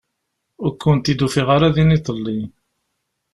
Ur kent-id-ufiɣ ara din iḍelli.